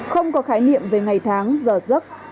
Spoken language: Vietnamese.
không có khái niệm về ngày tháng giờ giấc